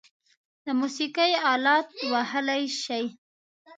د موسیقۍ آلات وهلی شئ؟